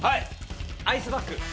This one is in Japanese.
アイスバッグ。